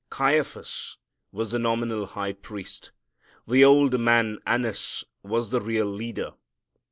Caiaphas was the nominal high priest. The old man Annas was the real leader.